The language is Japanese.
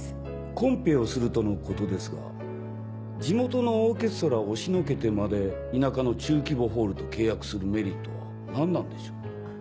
コンペをするとのことですが地元のオーケストラを押しのけてまで田舎の中規模ホールと契約するメリットは何なんでしょう？